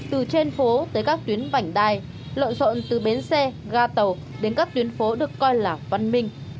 từ trên phố tới các tuyến vành đai lộn rộn từ bến xe ga tàu đến các tuyến phố được coi là văn minh